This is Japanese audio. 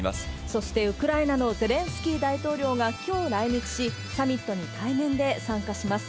そしてウクライナのゼレンスキー大統領がきょう来日し、サミットに対面で参加します。